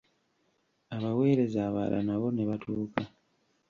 Abaweereza abalala nabo ne batuuka.